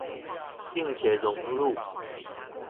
並且融入